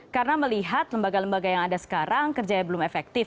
karena melihat lembaga lembaga yang ada sekarang kerjanya belum efektif